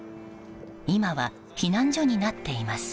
今は避難所になっています。